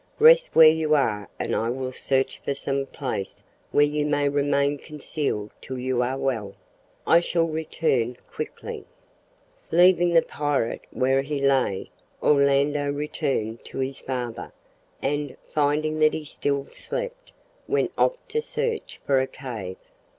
Rest where you are and I will search for some place where you may remain concealed till you are well. I shall return quickly." Leaving the pirate where he lay, Orlando returned to his father, and, finding that he still slept, went off to search for a cave.